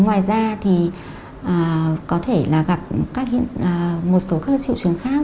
ngoài ra thì có thể là gặp một số các triệu chứng khác